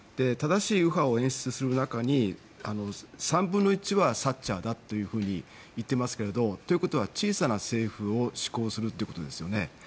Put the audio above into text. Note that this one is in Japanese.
正しい右派を演出する中に３分の１はサッチャーだというふうに言ってますけどということは小さな政府を志向するということですよね。